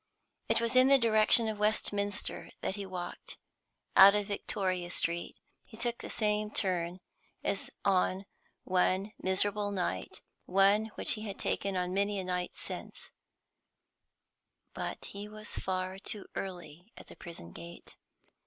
It was in the direction of Westminster that he walked. Out of Victoria Street he took the same turn as on one miserable night, one which he had taken on many a night since then. But he was far too early at the prison gate.